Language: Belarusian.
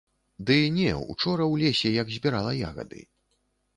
Ды не, учора ў лесе, як збірала ягады.